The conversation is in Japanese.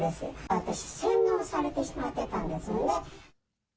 私、洗脳されてしまってたんですよね。